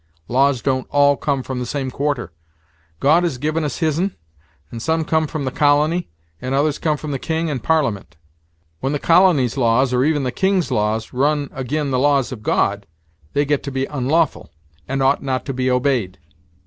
Laws don't all come from the same quarter. God has given us his'n, and some come from the colony, and others come from the King and Parliament. When the colony's laws, or even the King's laws, run ag'in the laws of God, they get to be onlawful, and ought not to be obeyed.